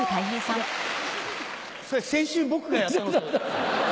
それ先週僕がやったこと。